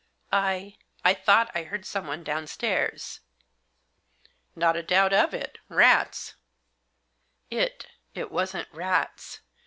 " I — I thought I heard someone downstairs." " Not a doubt of it— rats." "It — it wasn't rats.